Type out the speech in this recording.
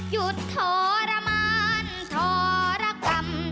หยุดทรมานทรกรรม